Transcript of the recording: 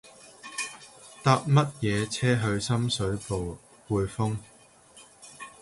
搭乜嘢車去深水埗丰滙